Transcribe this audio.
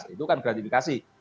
itu kan gratifikasi